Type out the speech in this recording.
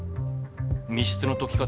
密室の解き方